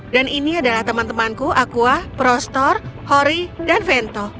dan ini adalah teman temanku aqua prostor hori dan fento